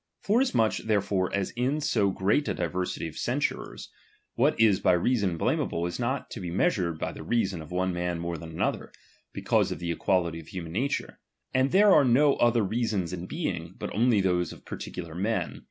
Forasmuch therefore as J*^ so great a diversity of censurers, what is by rea s^=kii blameable is not to be measured by the reason c»f^ one man more than another, because of the ^ <rjuality of human nature ; and there are no other r"^asons in being, but only those oi particular men, a.